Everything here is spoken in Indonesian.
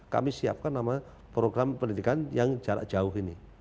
kami siapkan nama program pendidikan yang jarak jauh ini